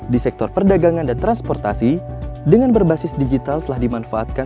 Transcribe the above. di sektor perdagangan dan transportasi dengan berbasis digital telah dimanfaatkan